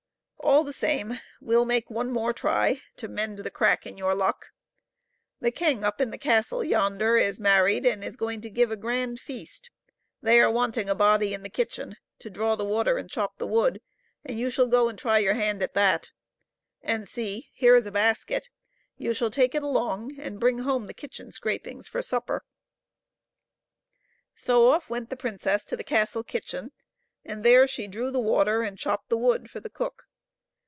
All the same, we'll make one more try to mend the crack in your luck. The king up in the castle yonder is married and is going to give a grand feast. They are wanting a body in the kitchen to draw the water and chop the wood; and you shall go and try your hand at that; and see, here is a basket; you shall take it along and bring home the kitchen scrapings for supper." So off went the princess to the castle kitchen, and there she drew the water and chopped the wood for the cook.